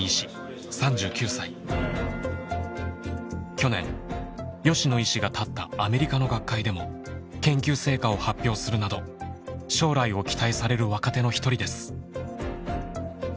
去年吉野医師が立ったアメリカの学会でも研究成果を発表するなど将来を期待される若手の一人です。